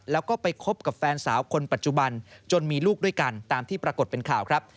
แล้วก็ไปคบกับแฟนสาวคนปัจจุบันจนมีลูกด้วยกันตามที่ปรากฏเป็นข่าวครับ